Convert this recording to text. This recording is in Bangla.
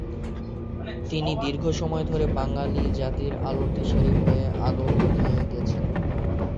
তিনি দীর্ঘ সময় ধরে বাঙালি জাতির আলোর দিশারি হয়ে আলো বিলিয়ে গেছেন।